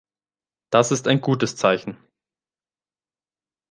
Das ist ein gutes Zeichen!